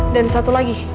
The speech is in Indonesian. dan satu lagi